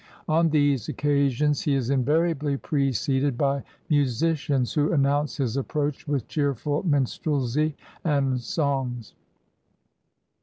On these occasions he is invariably preceded by musicians, who announce his approach with cheerful minstrelsy and songs.